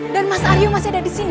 dan mas aryo masih berada di sini